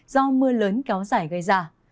do mưa lớn kéo dài gây ra